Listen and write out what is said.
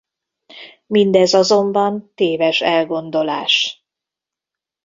Mindez azonban téves elgondolás.